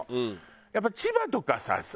やっぱ千葉とかさ。